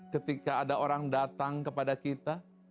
ketika ada orang datang kepada kita